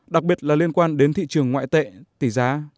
đặc biệt là liên quan đến thị trường ngoại tệ tỷ giá